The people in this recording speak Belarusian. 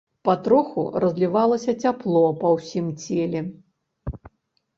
Патроху разлівалася цяпло па ўсім целе.